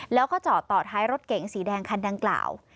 แล้วก็จอดต่อท้ายรถเก๋งสีแดงคันดังกล่าว